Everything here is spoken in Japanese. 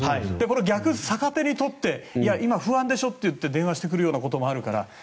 逆に、逆手にとって今、不安でしょと言って電話してくることもあるから。